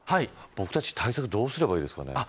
僕たちは対策どうすればいいですかね。